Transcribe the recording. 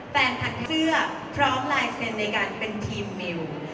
แฟนคลับเสื้อพร้อมลายเซ็นต์ในการเป็นทีมมิว